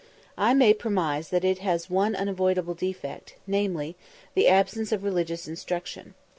I may premise that it has one unavoidable defect, namely, the absence of religious instruction.